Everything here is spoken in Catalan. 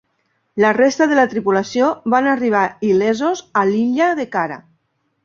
La resta de la tripulació van arribar il·lesos a l'illa de Cara.